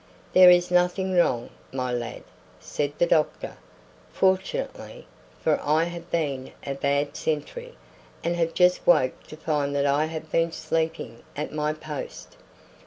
"There is nothing wrong, my lad," said the doctor "fortunately for I have been a bad sentry, and have just awoke to find that I have been sleeping at my post."